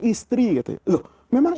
istri loh memang istrinya